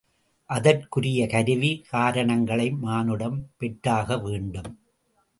அதற்குரிய கருவி, காரணங்களை மானுடம் பெற்றாக வேண்டும்.